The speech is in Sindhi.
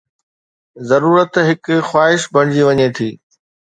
ضرورت هڪ خواهش بڻجي وڃي ٿي